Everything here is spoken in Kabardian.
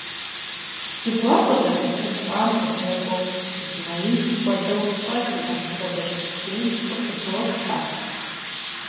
Зыгуэр къызэрыпхъунщӀам къыдэкӀуэу, Исмэхьил хуэдэу пщӀэ зиӀэ мыпхуэдэ цӀыху бейм пцӀы тыболъхьэ!